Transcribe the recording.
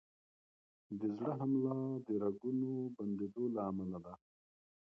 د زړه حمله د رګونو بندېدو له امله ده.